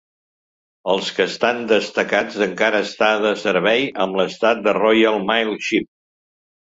Els que estan destacats encara està de servei amb l'estat de "Royal Mail Ship".